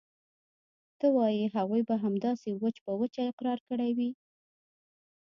ته وايې هغوى به همداسې وچ په وچه اقرار کړى وي.